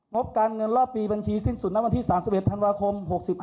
งบการเงินรอบปีบัญชีสิ้นสุดณวันที่๓๑ธันวาคม๖๕